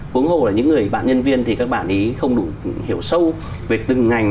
huống hồ là những người bạn nhân viên thì các bạn ý không đủ hiểu sâu về từng ngành